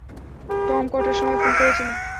Tom কটার সময় phone করেছিল?